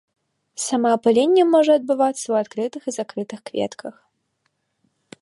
Самаапыленне можа адбывацца ў адкрытых і закрытых кветках.